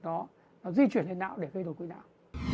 nó di chuyển lên não để gây đột quy não